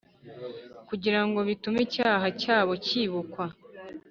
Kugira ngo bitume icyaha cyabo cyibukwa